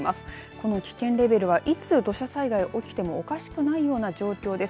この危険レベルはいつ土砂災害が起きてもおかしくないような状況です。